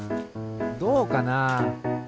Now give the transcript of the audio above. どうかな？